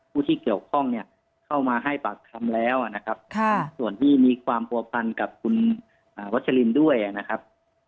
ผู้ที่เกี่ยวข้องเนี่ยเข้ามาให้ปากคำแล้วนะครับส่วนที่มีความผัวพันกับคุณวัชลินด้วยนะครับ